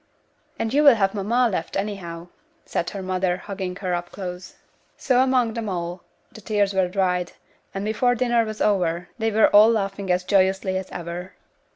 "And you will have mamma left, anyhow," said her mother, hugging her up close. So among them all, the tears were dried; and before dinner was over, they were all laughing as joyously as ever.